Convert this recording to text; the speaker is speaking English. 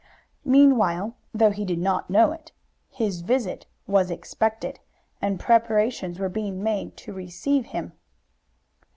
Meanwhile, though he did not know it, his visit was expected, and preparations were being made to receive him.